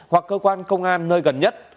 hoặc cơ quan công an nơi gần nhất